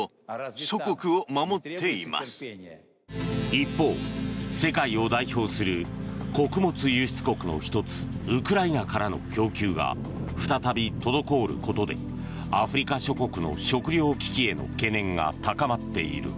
一方、世界を代表する穀物輸出国の１つウクライナからの供給が再び滞ることでアフリカ諸国の食糧危機への懸念が高まっている。